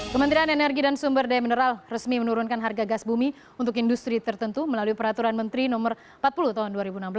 kementerian energi dan sumber daya mineral resmi menurunkan harga gas bumi untuk industri tertentu melalui peraturan menteri no empat puluh tahun dua ribu enam belas